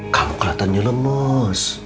kamu kelihatannya lemes